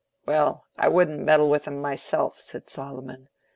"Well, I wouldn't meddle with 'em myself," said Solomon.